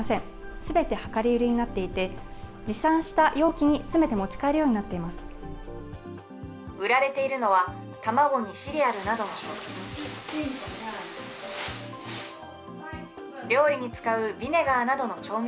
すべて量り売りになっていて、持参した容器に詰めて持ち帰るよう売られているのは、卵にシリアルなどの食品。